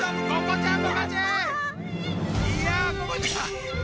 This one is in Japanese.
いやここちゃん！